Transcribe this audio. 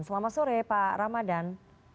selamat sore pak ramadan